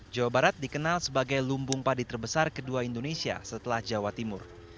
jawa barat dikenal sebagai lumbung padi terbesar kedua indonesia setelah jawa timur